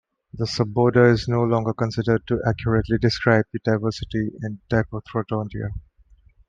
This suborder is no longer considered to accurately describe the diversity in Diprotodontia.